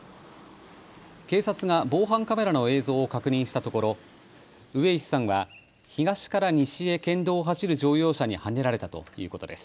警察が防犯カメラの映像を確認したところ上石さんは東から西へ県道を走る乗用車にはねられたということです。